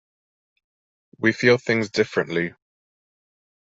We feel things differently.